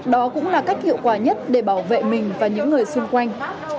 đó cũng là cách hiệu quả nhất để bảo vệ mình và những người xung quanh